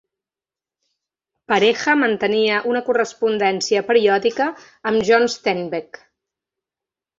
Pareja mantenia una correspondència periòdica amb John Steinbeck.